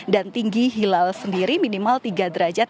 dan tinggi hilal sendiri minimal tiga derajat